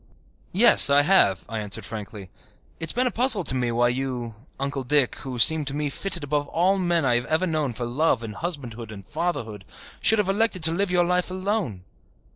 "Yes, I have," I answered frankly. "It has been a puzzle to me why you, Uncle Dick, who seem to me fitted above all men I have ever known for love and husbandhood and fatherhood, should have elected to live your life alone."